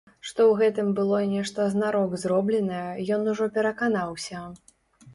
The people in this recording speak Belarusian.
Што ў гэтым было нешта знарок зробленае, ён ужо пераканаўся.